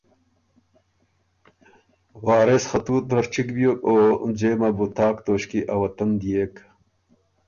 وارث خه تُوت نر چِګ بيوک او ځېمه بُو تاک توݭکيې ا وطن ديېک